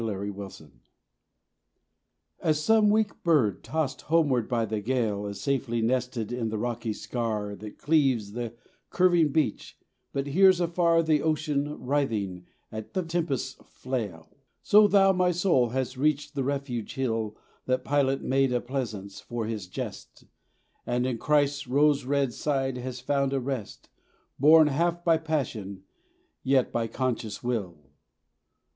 XLIII CALVARY AS some weak bird, tossed homeward by the gale, Is safely nested in the rocky scar That cleaves the curving beach, but hears afar The ocean writhing at the tempest's flail, So thou, my soul, hast reached the refuge hill That Pilate made a pleasance for his jest, And in Christ's rose red side hast found a rest, Borne half by passion, yet by conscious will.